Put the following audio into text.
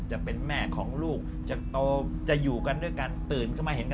ซึ่งเขาอยู่ด้วยเขาแค่อยู่กับผมตลอด